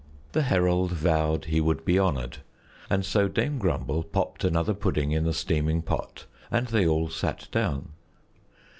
The herald vowed he would be honored, and so Dame Grumble popped another pudding in the steaming pot, and they all sat down.